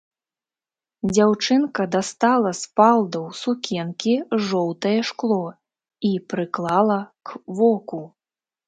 Дзяўчынка дастала з фалдаў сукенкі жоўтае шкло і прыклала к воку.